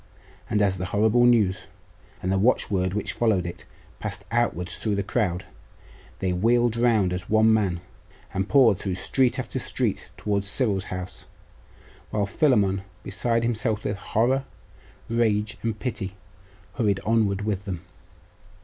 And as the horrible news, and the watchword which followed it, passed outwards through the crowd, they wheeled round as one man, and poured through street after street towards Cyril's house; while Philammon, beside himself with horror, rage, and pity, hurried onward with them.